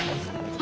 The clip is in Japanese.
あ！